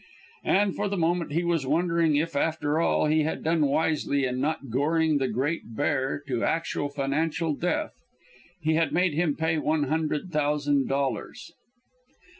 And for the moment he was wondering if, after all, he had done wisely in not goring the Great Bear to actual financial death. He had made him pay one hundred thousand dollars.